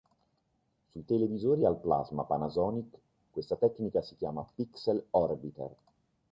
Sui televisori al plasma Panasonic questa tecnica si chiama Pixel Orbiter.